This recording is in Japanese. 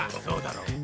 そうだろ。